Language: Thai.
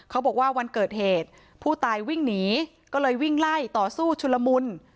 บอกว่าวันเกิดเหตุผู้ตายวิ่งหนีก็เลยวิ่งไล่ต่อสู้ชุลมุน